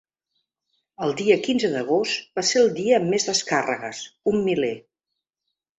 El dia quinze d’agost va ser el dia amb més descàrregues, un miler.